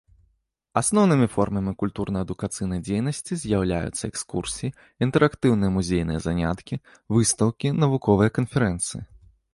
Асноўнымі формамі культурна-адукацыйнай дзейнасці з'яўляюцца экскурсіі, інтэрактыўныя музейныя заняткі, выстаўкі, навуковыя канферэнцыі.